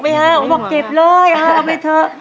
เขาบอกเก็บเลยเอาไปเถอะ